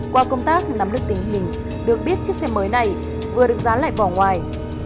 qua công tác nắm được tình hình được biết chiếc xe mới này vừa được dán lại vỏ ngoài